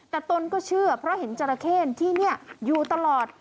แต่ตนก็เชื่อเพราะเห็นจราเข้ที่นี่อยู่ตลอด